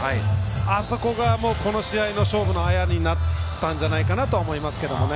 あそこが、この試合の勝負のあやになったんじゃないかなと思いますけれどもね。